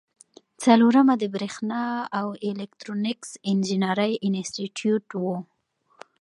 څلورمه د بریښنا او الکترونیکس انجینری انسټیټیوټ و.